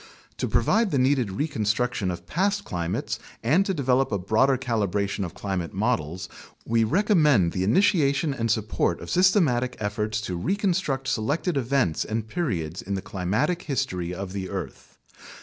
To provide the needed reconstruction of past climates and to develop a broader calibration of climate models, we recommend the initiation and support of systematic efforts to reconstruct selected events and periods in the climatic history of the earth.